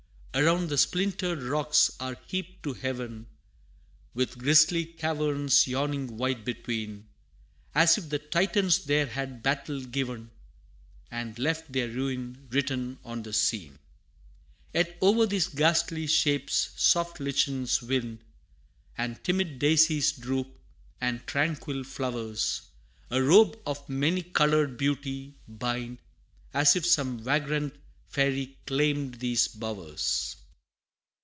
Around, the splintered rocks are heaped to heaven, With grisly caverns yawning wide between, As if the Titans there had battle given, And left their ruin written on the scene! Yet o'er these ghastly shapes, soft lichens wind, And timid daisies droop, and tranquil flowers A robe of many colored beauty, bind, As if some vagrant fairy claimed these bowers.